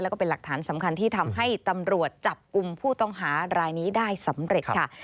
แล้วก็เป็นหลักฐานสำคัญที่ทำให้ตำรวจจับกลุ่มผู้ต้องหารายนี้ได้สำเร็จค่ะ